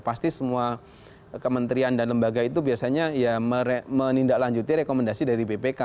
pasti semua kementerian dan lembaga itu biasanya ya menindaklanjuti rekomendasi dari bpk